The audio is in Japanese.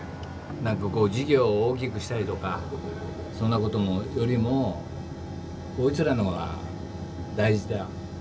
なんかこう事業を大きくしたりとかそんなことよりもこいつらのが大事だよ。